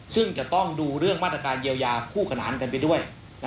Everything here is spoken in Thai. ซึ่งจะต้องดูเรื่องมาตรการเยียวยาคู่ขนานกันไปด้วย